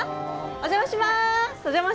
お邪魔します。